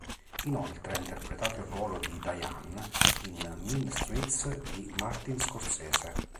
Inoltre ha interpretato il ruolo di Diane in "Mean Streets" di Martin Scorsese.